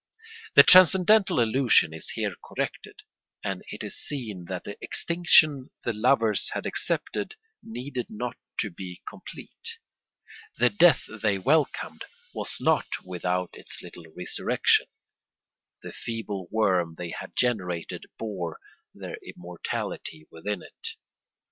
The transcendental illusion is here corrected, and it is seen that the extinction the lovers had accepted needed not to be complete. The death they welcomed was not without its little resurrection. The feeble worm they had generated bore their immortality within it.